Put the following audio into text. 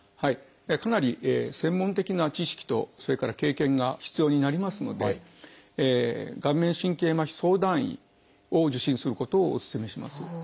かなり専門的な知識とそれから経験が必要になりますので顔面神経麻痺相談医を受診することをお勧めします。